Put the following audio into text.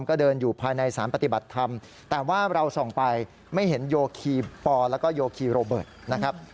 ก็เดินอยู่ภายในสารปฏิบัติธรรมแต่ว่าเราส่องไปไม่เห็นโยคีปอแล้วก็โยคีโรเบิร์ตนะครับ